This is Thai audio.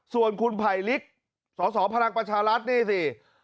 ส่วนคุณไผลฤกษ์ส่องพลังปัชหรัฐนี่สิ